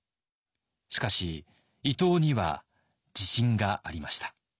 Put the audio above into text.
しかし伊藤には自信がありました。